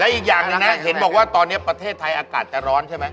อีกอย่างหนึ่งนะเห็นบอกว่าตอนนี้ประเทศไทยอากาศจะร้อนใช่ไหม